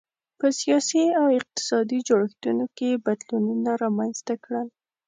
په سیاسي او اقتصادي جوړښتونو کې یې بدلونونه رامنځته کړل.